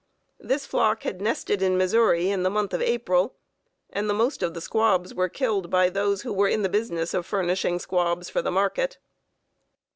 This flock had nested in Missouri in the month of April, and the most of the squabs were killed by those who were in the business of furnishing squabs for the market.